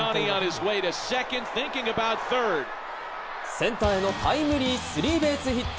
センターへのタイムリースリーベースヒット！